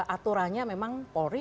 aturannya memang polri